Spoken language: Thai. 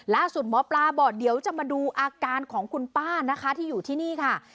หมอปลาบอกเดี๋ยวจะมาดูอาการของคุณป้านะคะที่อยู่ที่นี่ค่ะ